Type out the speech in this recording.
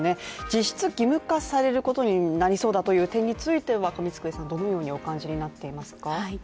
実質義務化されるようになりそうだという点に関しては上机さんはどうご覧になっていますか？